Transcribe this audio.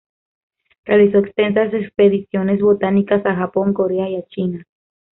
Realizó extensas expediciones botánicas a Japón, Corea, y a China.